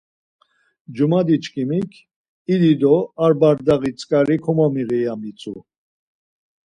Cumadiçkimik 'İdi do a bardaği tzǩari komomiği' ya mitzu.